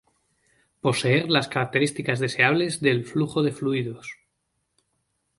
Poseer las características deseables del flujo de fluidos.